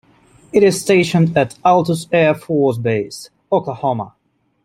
It is stationed at Altus Air Force Base, Oklahoma.